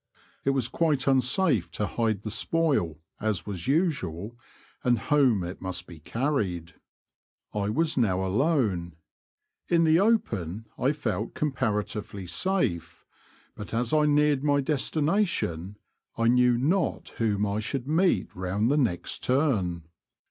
It was quite unsafe to hide the spoil, as was usual, and home it must be carried. I was now alone. In the open I felt com paratively safe, but as I neared my destmation I knew not whom I should meet round the next turn.